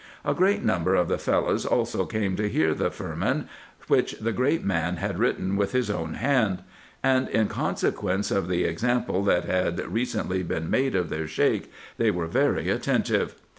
A great number of the Fellahs also came to hear the firman, which the great man had written with his own 19S RESEARCHES AND OPERATIONS hand ; and in consequence of the example that had recently been made of their Sheik, they were very attentive.